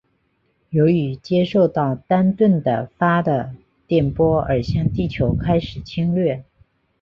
由于接受到丹顿的发的电波而向地球开始侵略。